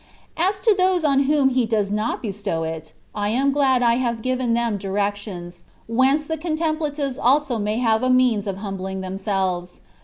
As to those on whom He does not bestow it, I am glad I have given them directions, whence the contemplatives also may have a means of humbling themselves.